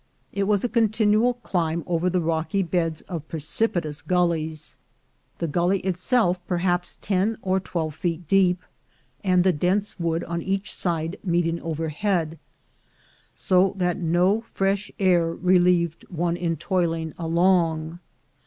It was a continual climb over the rocky ON TO CALIFORNIA 36 beds of precipitous gullies, the gully itself perhaps ten or twelve feet deep, and the dense wood on each side meeting overhead, so that no fresh air relieved one in toiling along.